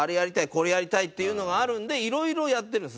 これやりたいっていうのがあるんでいろいろやってるんです。